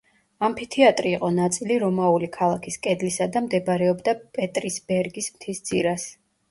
ამფითეატრი იყო ნაწილი რომაული ქალაქის კედლისა და მდებარეობდა პეტრისბერგის მთის ძირას.